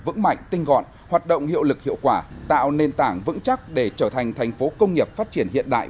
vững mạnh tinh gọn hoạt động hiệu lực hiệu quả tạo nền tảng vững chắc để trở thành thành phố công nghiệp phát triển hiện đại